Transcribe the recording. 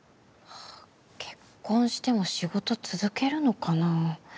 結婚しても仕事続けるのかな？